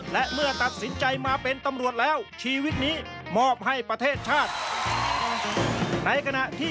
และเมื่อตัดสินใจมาเป็นตำรวจแล้วชีวิตนี้มอบให้ประเทศชาติ